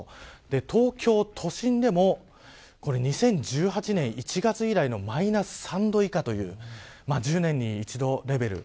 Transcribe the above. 東京都心でも２０１８年１月以来のマイナス３度以下という１０年に一度レベル。